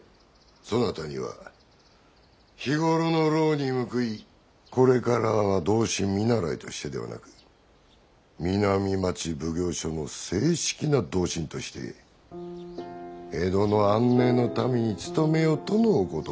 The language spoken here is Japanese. そなたには日頃の労に報いこれからは同心見習としてではなく南町奉行所の正式な同心として江戸の安寧のために勤めよとのお言葉じゃ。